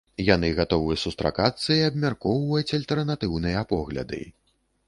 Яны гатовы сустракацца і абмяркоўваць альтэрнатыўныя погляды.